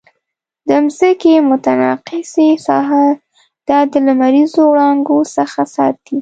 د مځکې مقناطیسي ساحه دا د لمریزو وړانګو څخه ساتي.